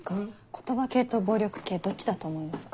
言葉系と暴力系どっちだと思いますか？